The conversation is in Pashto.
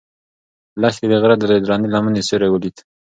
لښتې د غره د درنې لمنې سیوری ولید.